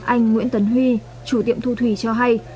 anh nguyễn tấn huy chủ tiệm thu thủy cho hay